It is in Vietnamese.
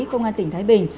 công an tỉnh thái bình